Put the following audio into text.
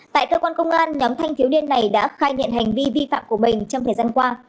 tại cơ quan công an nhóm thanh thiếu niên này đã khai nhận hành vi vi phạm của mình trong thời gian qua